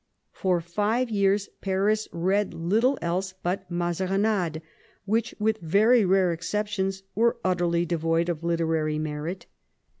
For five years Paris read little else but Mazarinades, which, with very rare exceptions, were utterly devoid of literary merit.